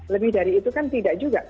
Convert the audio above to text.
lebih dari itu kan tidak juga